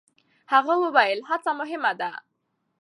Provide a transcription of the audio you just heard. هغه وویل، هڅه مهمه ده.